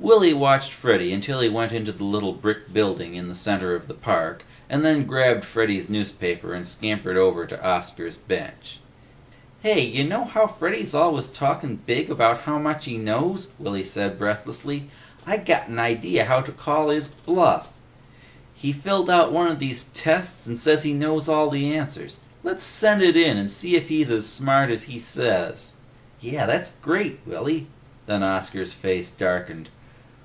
Willy watched Freddy until he went into the little brick building in the center of the park, and then grabbed Freddy's newspaper and scampered over to Oscar's bench. "Hey, you know how Freddy's always talkin' big about how much he knows," Willy said breathlessly. "I got an idea how to call his bluff. He filled out one of these tests and says he knows all the answers. Let's send it in and see if he's as smart as he says!" "Yeh! That's great, Willy!" Then Oscar's face darkened.